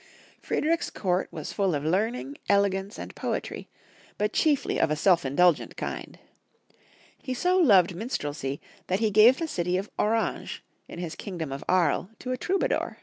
Friedrich's court was full of learning, ele gance, and poetry, but chiefly of a self indulgent kind. He so loved minstrelsy that he gave the city of Orange, in his kingdom of Aries, to a troubadour.